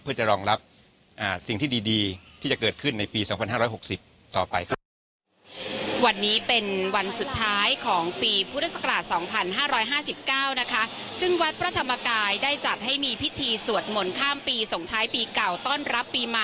เพื่อจะรองรับสิ่งที่ดีที่จะเกิดขึ้นในปี๒๕๖๐ต่อไปครับ